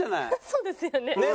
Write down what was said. そうですよね。